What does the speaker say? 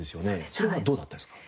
それはどうだったんですか？